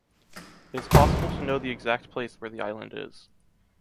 It is possible to know the exact place where the island is.